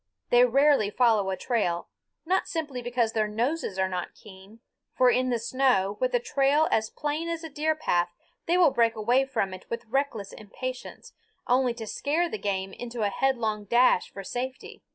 They rarely follow a trail, not simply because their noses are not keen for in the snow, with a trail as plain as a deer path, they break away from it with reckless impatience, only to scare the game into a headlong dash for safety.